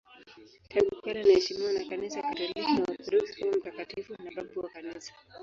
Tangu kale anaheshimiwa na Kanisa Katoliki na Waorthodoksi kama mtakatifu na babu wa Kanisa.